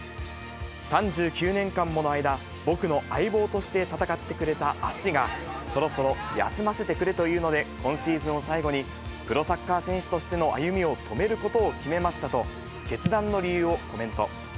３９年間もの間、僕の相棒として戦ってくれた足が、そろそろ休ませてくれと言うので、今シーズンを最後に、プロサッカー選手としての歩みを止めることを決めましたと、決断の理由をコメント。